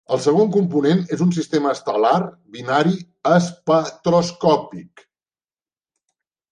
El segon component és un sistema estel·lar binari espectroscòpic.